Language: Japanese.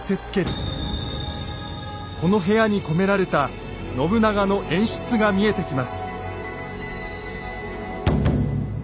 この部屋に込められた信長の演出が見えてきます。